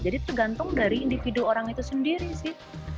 jadi tergantung dari individu orang itu sendiri sih